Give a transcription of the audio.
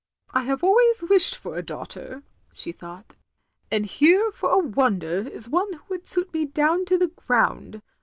"I have always wished for a daughter," she thought, "and here, for a wonder, is one that would suit me down to the ground.